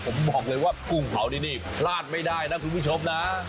ผมบอกเลยว่ากุ้งเผานี่พลาดไม่ได้นะคุณผู้ชมนะ